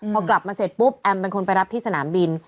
พอกลับมาเสร็จปุ๊บแอมเป็นคนไปรับที่สนามบิน